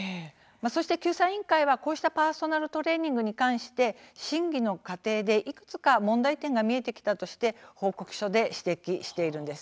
そして救済委員会はこうしたパーソナルトレーニングに関して審議の過程で、いくつか問題点が見えてきたとして報告書で指摘しているんです。